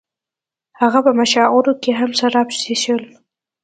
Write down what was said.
هغه په مشاعرو کې هم شراب څښل